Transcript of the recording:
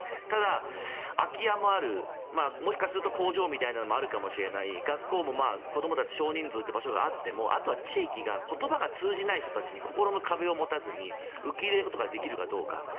ただ、空き家もあるもしかすると工場みたいなのもあるかもしれない学校も子どもたち少人数という場所があってもあとは地域が言葉が通じない人たちに心の壁を持たずに受け入れることができるかどうか。